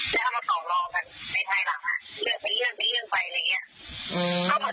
แล้วเขาต่อรองกันในไทยหลังเลือกไปเยื่องไปเยื่องไปอะไรอย่างเงี้ย